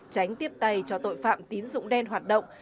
tránh tiếp tay cho tội phạm tín dụng đen hoạt động